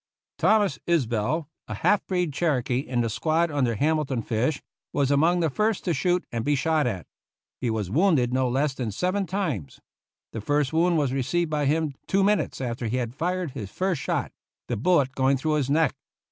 Thomas Isbell, a half breed Cherokee in the squad under Hamilton Fish, was among the first to shoot and be shot at. He was wounded no less than seven times. The first wound was received by him two minutes after he had fired his first shot, the bullet going through his neck.